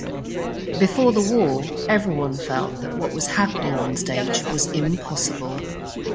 Before the war, everyone felt that what was happening onstage was impossible.